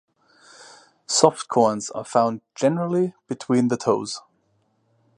Soft corns are found generally between the toes.